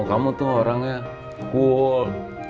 kamu tuh orangnya cool